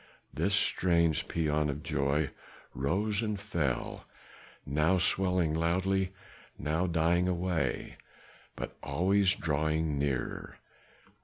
This strange pean of joy rose and fell, now swelling loudly, now dying away, but always drawing nearer.